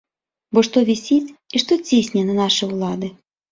Бо што вісіць і што цісне на нашы ўлады?